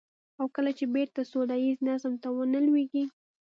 او کله چې بېرته سوله ييز نظم ته ونه لوېږي.